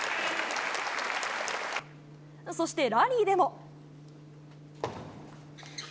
そしてラリーでも。